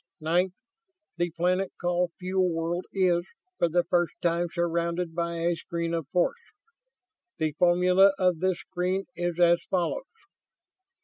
Ninth, the planet called Fuel World is, for the first time, surrounded by a screen of force. The formula of this screen is as follows."